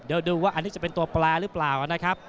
เดี๋ยวดูว่าอันนี้จะเป็นตัวแปลหรือเปล่านะครับ